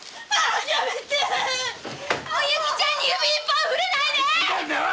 お雪ちゃんに指一本ふれないで！